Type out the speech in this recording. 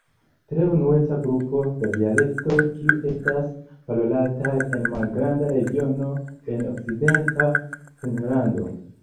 Tre unueca grupo da dialektoj, kiu estas parolataj en malgranda regiono en okcidenta Finnlando.